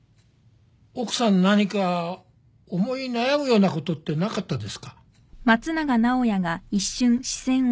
奥さん何か思い悩むようなことってなかったですか？